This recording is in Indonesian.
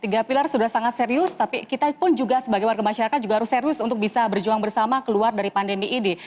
tiga pilar sudah sangat serius tapi kita pun juga sebagai warga masyarakat juga harus serius untuk bisa berjuang bersama keluar dari pandemi ini